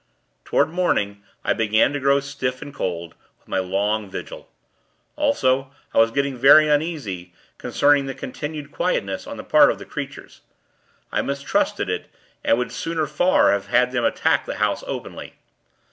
Toward morning, I began to grow stiff and cold, with my long vigil; also, I was getting very uneasy, concerning the continued quietness on the part of the creatures. I mistrusted it, and would sooner, far, have had them attack the house, openly.